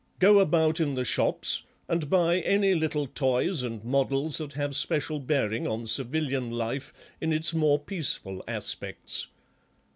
Go about in the shops and buy any little toys and models that have special bearing on civilian life in its more peaceful aspects.